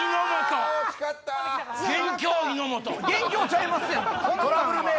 元凶ちゃいますやん！